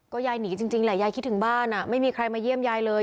ยายหนีจริงแหละยายคิดถึงบ้านไม่มีใครมาเยี่ยมยายเลย